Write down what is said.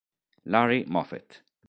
Larry Moffett